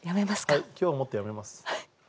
はい今日をもってやめます。